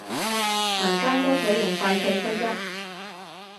民間多採用快脆規則